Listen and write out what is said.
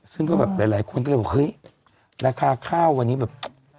ซึ่งก็แบบหลายคนก็เลยบอกเฮ้ยราคาข้าววันนี้แบบ